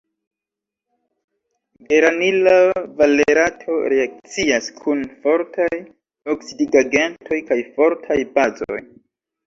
Geranila valerato reakcias kun fortaj oksidigagentoj kaj fortaj bazoj.